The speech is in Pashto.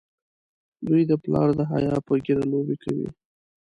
دوی د پلار د حیا په ږیره لوبې کوي.